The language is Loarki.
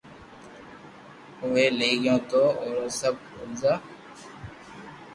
اووي لئي گيو تو را سب اورزا